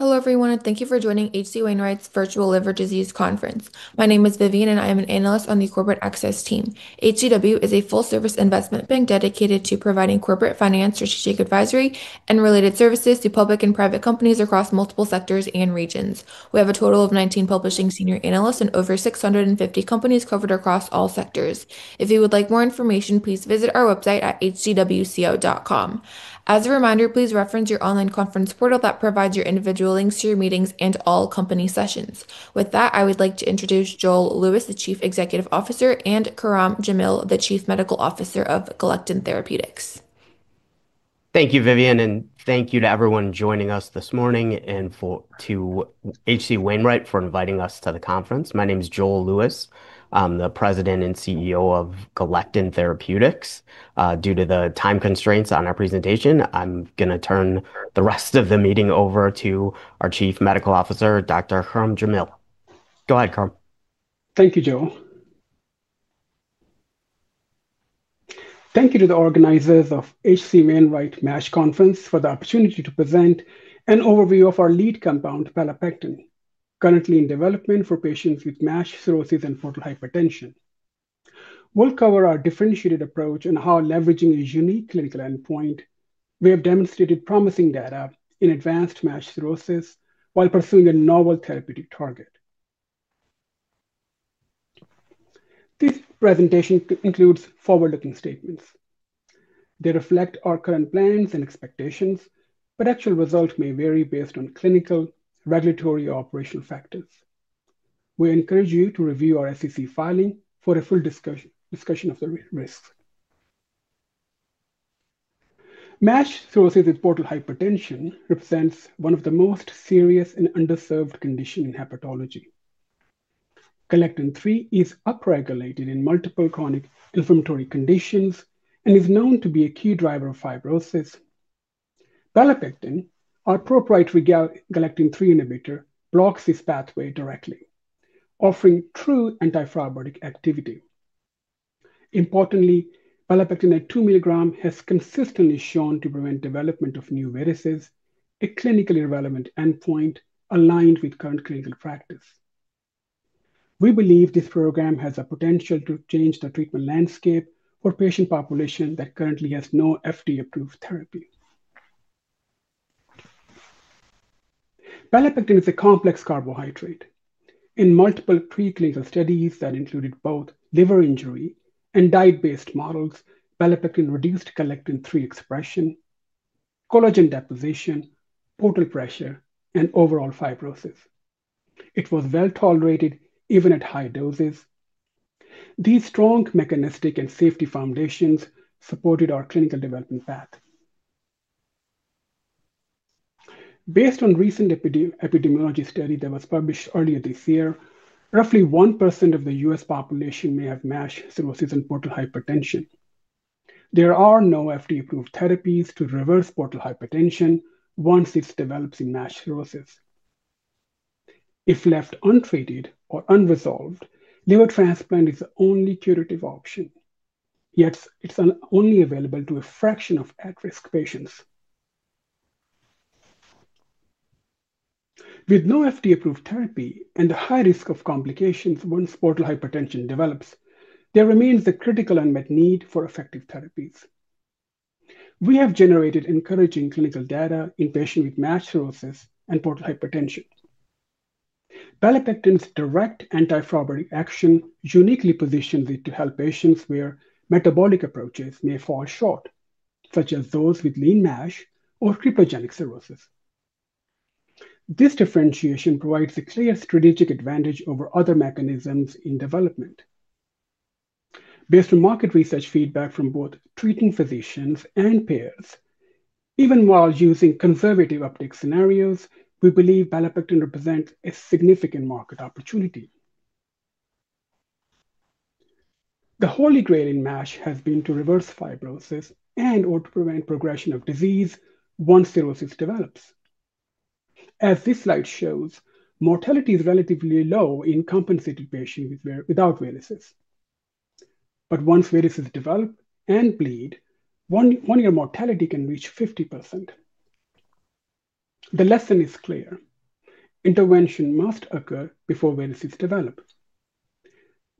Hello everyone, and thank you for joining H.C. Wainwright's Virtual Liver Disease Conference. My name is Vivian, and I am an analyst on the Corporate Access team. HCW is a full-service investment bank dedicated to providing corporate finance, strategic advisory, and related services to public and private companies across multiple sectors and regions. We have a total of 19 publishing senior analysts and over 650 companies covered across all sectors. If you would like more information, please visit our website at hcwco.com. As a reminder, please reference your online conference portal that provides your individual links to your meetings and all company sessions. With that, I would like to introduce Joel Lewis, the Chief Executive Officer, and Khurram Jamil, the Chief Medical Officer of Galectin Therapeutics. Thank you, Vivian, and thank you to everyone joining us this morning and to H.C. Wainwright for inviting us to the conference. My name is Joel Lewis. I'm the President and CEO of Galectin Therapeutics. Due to the time constraints on our presentation, I'm going to turn the rest of the meeting over to our Chief Medical Officer, Dr. Khurram Jamil. Go ahead, Khurram. Thank you, Joel. Thank you to the organizers of H.C. Wainwright MASH Conference for the opportunity to present an overview of our lead compound, belapectin, currently in development for patients with MASH cirrhosis and portal hypertension. We'll cover our differentiated approach and how, leveraging a unique clinical endpoint, we have demonstrated promising data in advanced MASH cirrhosis while pursuing a novel therapeutic target. This presentation includes forward-looking statements. They reflect our current plans and expectations, but actual results may vary based on clinical, regulatory, or operational factors. We encourage you to review our SEC filing for a full discussion of the risks. MASH cirrhosis with portal hypertension represents one of the most serious and underserved conditions in hepatology. Galectin-3 is upregulated in multiple chronic inflammatory conditions and is known to be a key driver of fibrosis. Belapectin, our proprietary galectin-3 inhibitor, blocks this pathway directly, offering true antifibrotic activity. Importantly, belapectin at 2 mg has consistently shown to prevent the development of new varices, a clinically relevant endpoint aligned with current clinical practice. We believe this program has the potential to change the treatment landscape for a patient population that currently has no FDA-approved therapy. Belapectin is a complex carbohydrate. In multiple preclinical studies that included both liver injury and diet-based models, belapectin reduced galectin-3 expression, collagen deposition, portal pressure, and overall fibrosis. It was well tolerated even at high doses. These strong mechanistic and safety foundations supported our clinical development path. Based on a recent epidemiology study that was published earlier this year, roughly 1% of the U.S. population may have MASH cirrhosis and portal hypertension. There are no FDA-approved therapies to reverse portal hypertension once it develops in MASH cirrhosis. If left untreated or unresolved, liver transplant is the only curative option. Yet, it's only available to a fraction of at-risk patients. With no FDA-approved therapy and the high risk of complications once portal hypertension develops, there remains a critical unmet need for effective therapies. We have generated encouraging clinical data in patients with MASH cirrhosis and portal hypertension. Belapectin's direct antifibrotic action uniquely positions it to help patients where metabolic approaches may fall short, such as those with lean MASH or cryptogenic cirrhosis. This differentiation provides a clear strategic advantage over other mechanisms in development. Based on market research feedback from both treating physicians and payers, even while using conservative optics scenarios, we believe belapectin represents a significant market opportunity. The holy grail in MASH has been to reverse fibrosis and/or to prevent the progression of disease once cirrhosis develops. As this slide shows, mortality is relatively low in compensated patients without varices. Once varices develop and bleed, one-year mortality can reach 50%. The lesson is clear: intervention must occur before varices develop.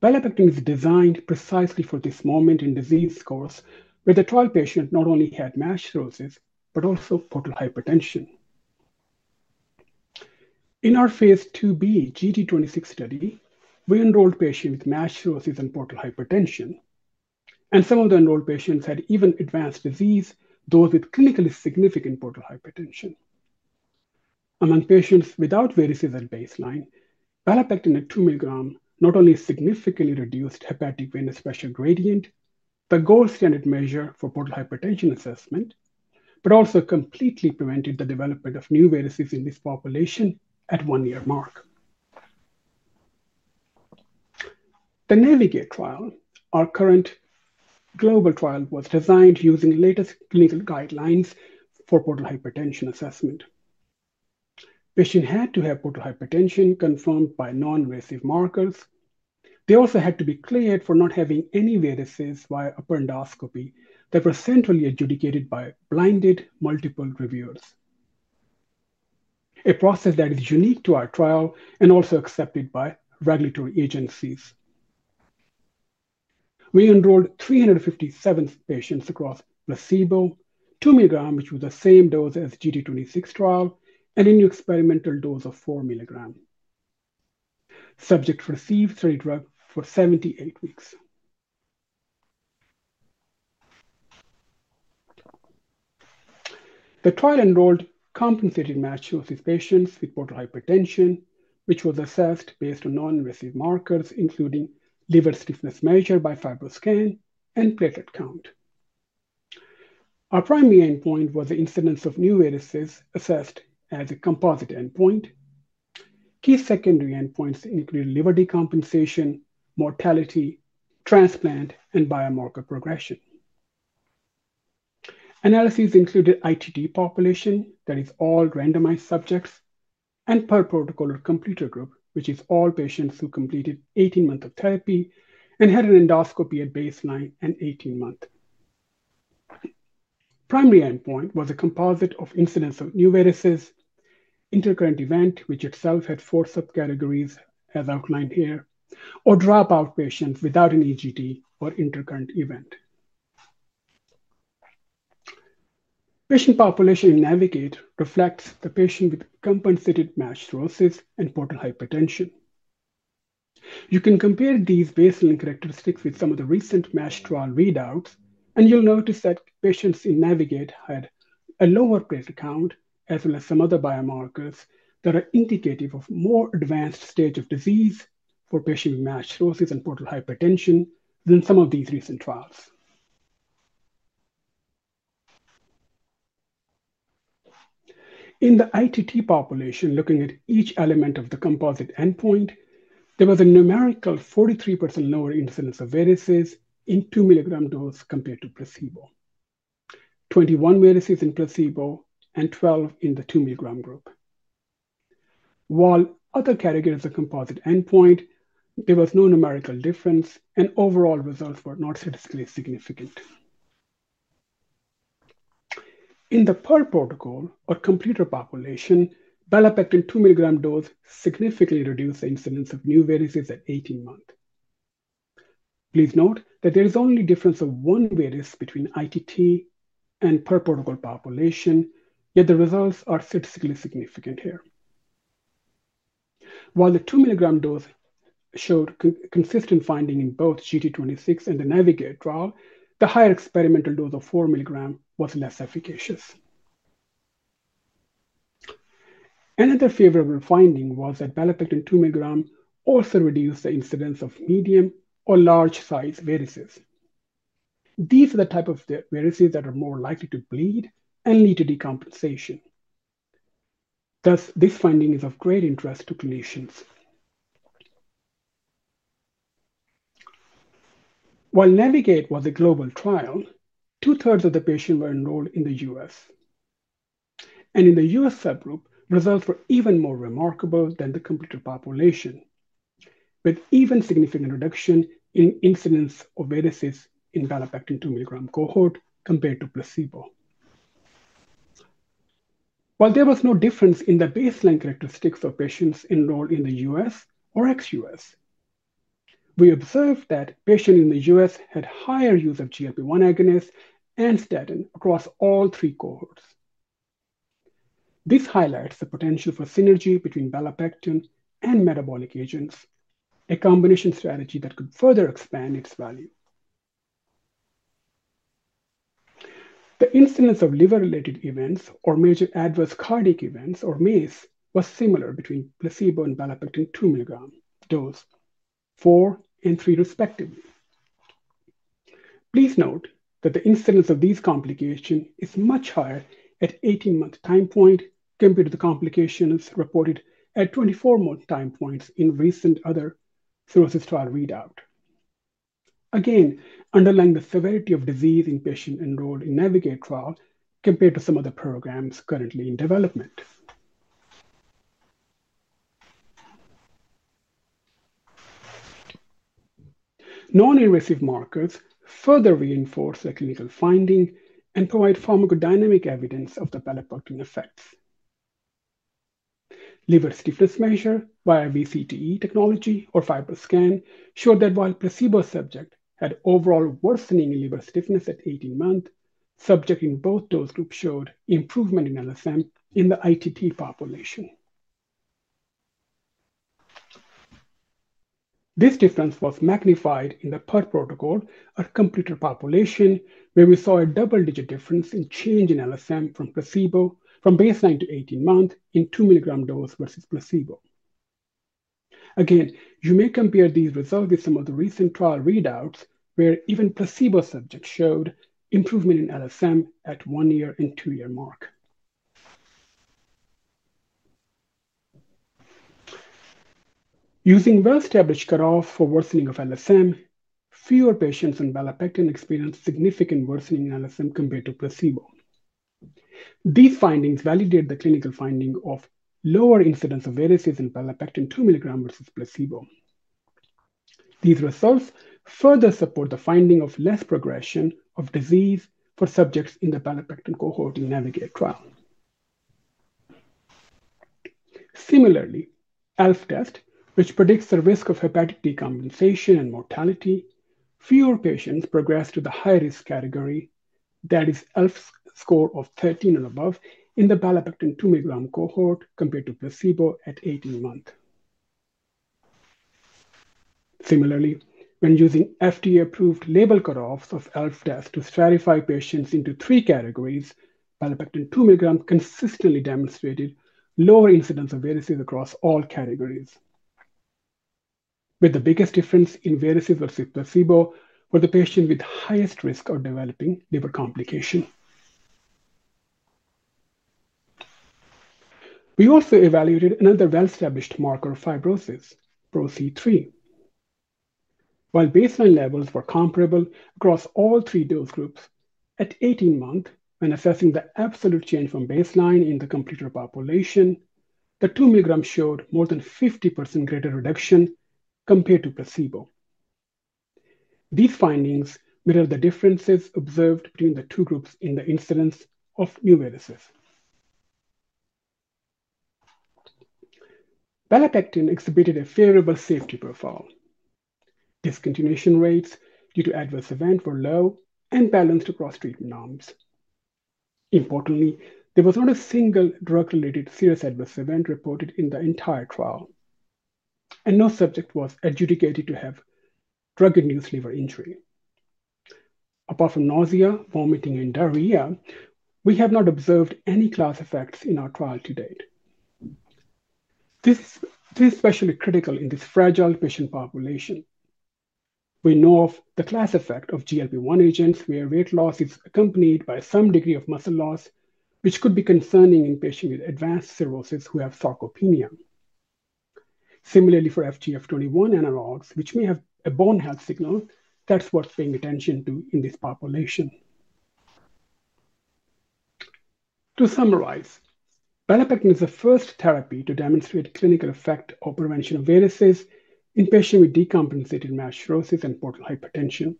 Belapectin is designed precisely for this moment in disease scores where the trial patient not only had MASH cirrhosis but also portal hypertension. In our phase II-B GD26 study, we enrolled patients with MASH cirrhosis and portal hypertension, and some of the enrolled patients had even advanced disease, those with clinically significant portal hypertension. Among patients without varices at baseline, belapectin at 2 mg not only significantly reduced hepatic venous pressure gradient, the gold standard measure for portal hypertension assessment, but also completely prevented the development of new varices in this population at the one-year mark. The NAVIGATE trial, our current global trial, was designed using the latest clinical guidelines for portal hypertension assessment. Patients had to have portal hypertension confirmed by non-invasive markers. They also had to be cleared for not having any varices via upper endoscopy that were centrally adjudicated by blinded multiple reviewers, a process that is unique to our trial and also accepted by regulatory agencies. We enrolled 357 patients across placebo, 2 mg, which was the same dose as the GD26 trial, and a new experimental dose of 4 mg. Subjects received three drugs for 78 weeks. The trial enrolled compensated MASH cirrhosis patients with portal hypertension, which was assessed based on non-invasive markers including liver stiffness measure by FibroScan and platelet count. Our primary endpoint was the incidence of new varices assessed as a composite endpoint. Key secondary endpoints included liver decompensation, mortality, transplant, and biomarker progression. Analyses included the ITT population, that is all randomized subjects, and per protocol or completer group, which is all patients who completed 18 months of therapy and had an endoscopy at baseline and 18 months. The primary endpoint was a composite of incidence of new varices, intercurrent event, which itself had four subcategories as outlined here, or dropout patients without an EGD or intercurrent event. The patient population in Navigate reflects the patient with compensated MASH cirrhosis and portal hypertension. You can compare these baseline characteristics with some of the recent MASH trial readouts, and you'll notice that patients in NAVIGATE had a lower platelet count, as well as some other biomarkers that are indicative of a more advanced stage of disease for patients with MASH cirrhosis and portal hypertension than some of these recent trials. In the ITT population, looking at each element of the composite endpoint, there was a numerical 43% lower incidence of varices in the 2 mg dose compared to placebo, 21 varices in placebo and 12 in the 2 mg group. While other categories of the composite endpoint, there was no numerical difference, and overall results were not statistically significant. In the per protocol or completer population, belapectin 2 mg dose significantly reduced the incidence of new varices at 18 months. Please note that there is only a difference of one varix between ITT and per protocol population, yet the results are statistically significant here. While the 2 mg dose showed consistent findings in both GD26 and the NAVIGATE trial, the higher experimental dose of 4 mg was less efficacious. Another favorable finding was that belapectin 2 mg also reduced the incidence of medium or large-sized varices. These are the types of varices that are more likely to bleed and lead to decompensation. Thus, this finding is of great interest to clinicians. While Navigate was a global trial, two-thirds of the patients were enrolled in the U.S. In the U.S. subgroup, results were even more remarkable than the completer population, with even a significant reduction in the incidence of varices in the belapectin 2 mg cohort compared to placebo. While there was no difference in the baseline characteristics of patients enrolled in the U.S. or ex-U.S., we observed that patients in the U.S. had a higher use of GLP-1 agonists and statins across all three cohorts. This highlights the potential for synergy between belapectin and metabolic agents, a combination strategy that could further expand its value. The incidence of liver-related events or major adverse cardiac events, or MACE, was similar between placebo and belapectin 2 mg dose, 4 and 3 respectively. Please note that the incidence of these complications is much higher at the 18-month time point compared to the complications reported at the 24-month time points in recent other cirrhosis trial readouts. Again, underlying the severity of disease in patients enrolled in the Navigate trial compared to some of the programs currently in development. Non-invasive markers further reinforce the clinical findings and provide pharmacodynamic evidence of the belapectin effects. Liver stiffness measured via VCTE technology or FibroScan showed that while the placebo subjects had overall worsening liver stiffness at 18 months, subjects in both those groups showed improvement in LSM in the ITT population. This difference was magnified in the per protocol or completer population, where we saw a double-digit difference in the change in LSM from placebo from baseline to 18 months in the 2 mg dose versus placebo. Again, you may compare these results with some of the recent trial readouts, where even placebo subjects showed improvement in LSM at the one-year and two-year mark. Using well-established cutoffs for worsening of LSM, fewer patients on belapectin experienced significant worsening in LSM compared to placebo. These findings validate the clinical finding of lower incidence of varices in belapectin 2 mg versus placebo. These results further support the finding of less progression of disease for subjects in the belapectin cohort in the NAVIGATE trial. Similarly, the ALF test, which predicts the risk of hepatic decompensation and mortality, fewer patients progressed to the high-risk category, that is, the ALF score of 13 and above in the belapectin 2 mg cohort compared to placebo at 18 months. Similarly, when using FDA-approved label cutoffs of ALF tests to stratify patients into three categories, belapectin 2 mg consistently demonstrated lower incidence of varices across all categories, with the biggest difference in varices received by placebo for the patients with the highest risk of developing liver complications. We also evaluated another well-established marker of fibrosis, PRO-C3. While baseline levels were comparable across all three dose groups, at 18 months, when assessing the absolute change from baseline in the completer population, the 2 mg showed a more than 50% greater reduction compared to placebo. These findings mirror the differences observed between the two groups in the incidence of new varices. belapectin exhibited a favorable safety profile. Discontinuation rates due to adverse events were low and balanced across treatment arms. Importantly, there was not a single drug-related serious adverse event reported in the entire trial, and no subject was adjudicated to have drug-induced liver injury. Apart from nausea, vomiting, and diarrhea, we have not observed any class effects in our trial to date. This is especially critical in this fragile patient population. We know of the class effect of GLP-1 agonists where weight loss is accompanied by some degree of muscle loss, which could be concerning in patients with advanced cirrhosis who have sarcopenia. Similarly, for FGF21 analogs, which may have a bone health signal, that's worth paying attention to in this population. To summarize, belapectin is the first therapy to demonstrate clinical effect or prevention of varices in patients with decompensated MASH cirrhosis and portal hypertension.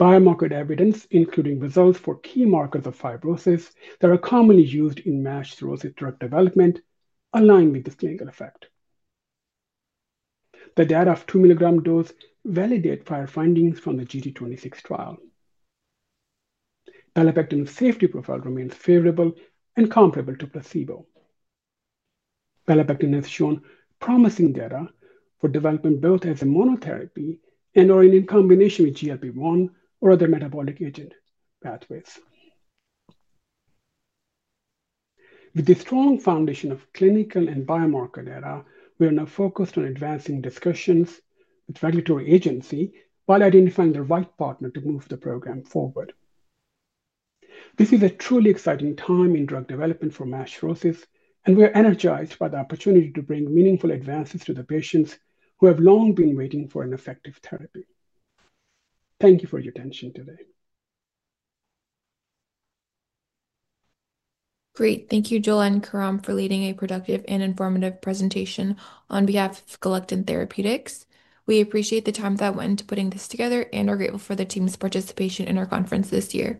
Biomarker evidence, including results for key markers of fibrosis that are commonly used in MASH cirrhosis drug development, aligns with this clinical effect. The data of the 2 mg dose validate prior findings from the GD26 trial. belapectin's safety profile remains favorable and comparable to placebo. belapectin has shown promising data for development both as a monotherapy and/or in combination with GLP-1 agonists or other metabolic agent pathways. With a strong foundation of clinical and biomarker data, we are now focused on advancing discussions with regulatory agencies while identifying the right partner to move the program forward. This is a truly exciting time in drug development for MASH cirrhosis, and we are energized by the opportunity to bring meaningful advances to the patients who have long been waiting for an effective therapy. Thank you for your attention today. Great. Thank you, Joel and Khurram, for leading a productive and informative presentation on behalf of Galectin Therapeutics. We appreciate the time that went into putting this together and are grateful for the team's participation in our conference this year.